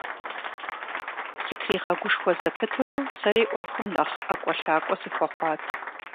Сытригъэгушхуэ зэпытурэ, сэри Ӏуэхум нэхъ ӀэкӀуэлъакӀуэ сыхуэхъуат.